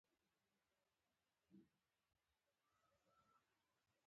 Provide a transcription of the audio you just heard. د کاکړ اتن د جګړې نښه هم ګڼل کېږي.